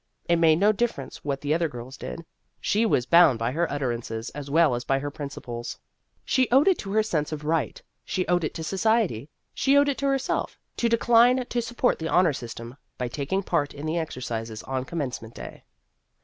It made no difference what the other girls did. She was bound by her utterances as well as by her principles. She owed it to her sense of right, she owed it to society, she owed it to herself, to decline to support the " Honor System " by taking part in the exercises on Com mencement Day.